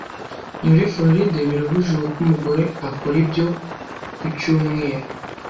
Muri Floride birabujijwe ko umugore akora ibyo ku cyumweru